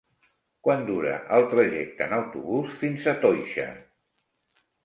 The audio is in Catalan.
Quant dura el trajecte en autobús fins a Toixa?